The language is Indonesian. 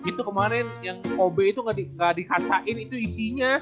itu kemarin yang kobe itu gak dikacain itu isinya